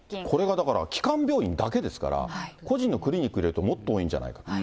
これがだから、基幹病院だけですから、個人のクリニックでいうと、もっと多いんじゃないか。